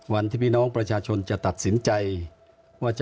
วันที่๒๔แล้ว